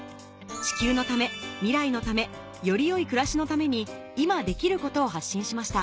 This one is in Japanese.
「地球のため未来のためより良い暮らしのために今できること」を発信しました